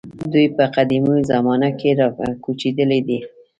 دوی په قدیمو زمانو کې راکوچېدلي دي.